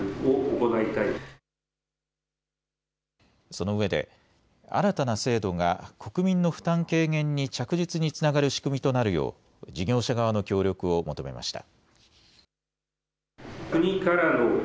そのうえで新たな制度が国民の負担軽減に着実につながる仕組みとなるよう事業者側の協力を求めました。